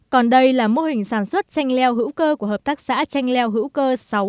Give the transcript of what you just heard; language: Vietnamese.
còn đây là mô hình sản xuất tranh leo hữu cơ của hợp tác xã tranh leo hữu cơ sáu mươi sáu nghìn sáu trăm hai mươi tám